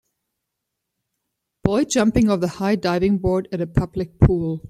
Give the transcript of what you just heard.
Boy jumping off the high diving board at a public pool.